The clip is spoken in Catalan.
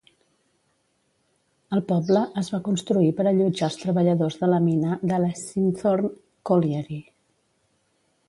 El poble es va construir per allotjar els treballadors de la mina de Leasingthorne Colliery.